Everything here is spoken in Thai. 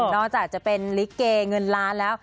อกจากจะเป็นลิเกเงินล้านแล้ว